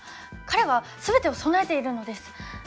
彼は全てを備えているのです。